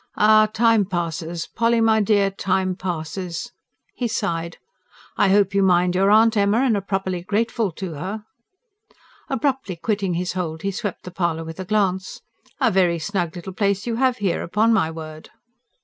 Ah, time passes, Polly my dear time passes!" He sighed. "I hope you mind your aunt, Emma, and are properly grateful to her?" Abruptly quitting his hold, he swept the parlour with a glance. "A very snug little place you have here, upon my word!"